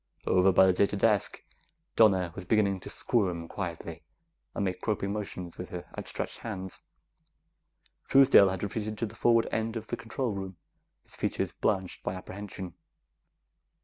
Over by the data desk, Donna was beginning to squirm quietly and make groping motions with her outstretched hands. Truesdale had retreated to the forward end of the control room, his features blanched by apprehension.